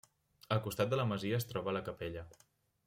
Al costat de la masia es troba la capella.